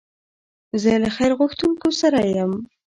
زه له خیر غوښتونکو سره یم.